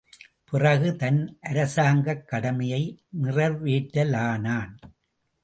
பிறகு தன் அரசாங்கக் கடமையை நிறைவேற்றலானான்.